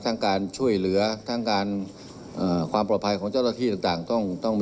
ถึงวันนี้เมื่อเช้าผมก็ได้รับ